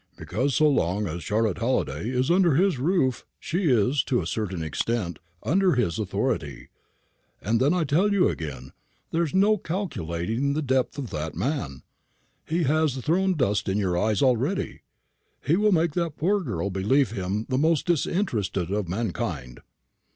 "Because, so long as Charlotte Halliday is under his roof, she is, to a certain extent, under his authority. And then, I tell you again, there is no calculating the depth of that man. He has thrown dust in your eyes already. He will make that poor girl believe him the most disinterested of mankind."